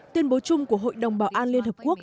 tuyên bố chung của hội đồng bảo an liên hợp quốc